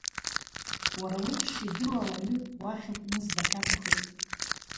Уара уеиԥш идыру ауаҩы уахь акәмыз дахьаҭахыз!